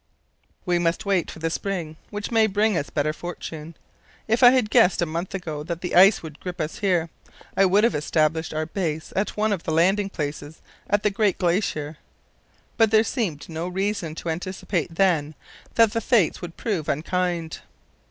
"We must wait for the spring, which may bring us better fortune. If I had guessed a month ago that the ice would grip us here, I would have established our base at one of the landing places at the great glacier. But there seemed no reason to anticipate then that the fates would prove unkind.